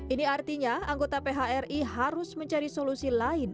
ini artinya anggota phri harus mencari solusi lain